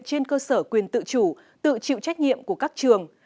trên cơ sở quyền tự chủ tự chịu trách nhiệm của các trường